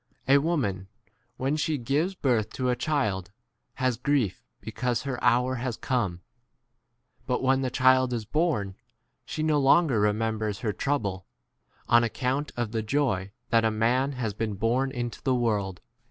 A woman, when she gives birth to a child, has grief because her hour has come ; but when the child is born, she no longer re members [her] trouble r on account of the joy that a man has been 22 born into the world.